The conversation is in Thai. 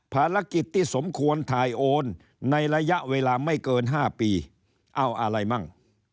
ภารกิจที่สมควรถ่ายโอนในระยะเวลาไม่เกิน๕ปีเอาอะไรมั่ง